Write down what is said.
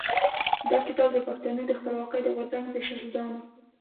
دا کتاب د پښتنو د خپلواکۍ د غورځنګ د شهيدانو.